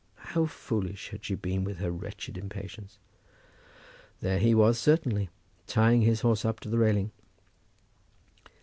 How foolish had she been with her wretched impatience! There he was certainly, tying his horse up to the railing.